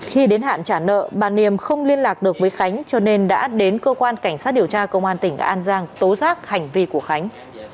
khi đến hạn trả nợ bà niềm không liên lạc được với khánh cho nên đã đến cơ quan cảnh sát điều tra công an tỉnh an giang tố giác hành vi của khánh